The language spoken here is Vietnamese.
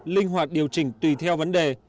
linh hoạt điều chỉnh tùy theo vấn đề